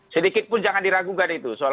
sedikit pun jangan diragukan itu